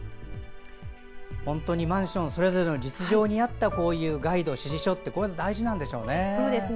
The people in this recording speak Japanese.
マンションそれぞれの実情に合ったガイド、指示書って大事なんでしょうね。